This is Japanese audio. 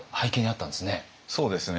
そうですね。